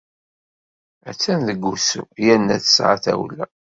Attan deg wusu yerna tesɛa tawla.